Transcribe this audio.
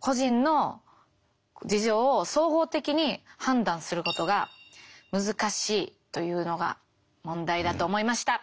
個人の事情を総合的に判断することが難しいというのが問題だと思いました。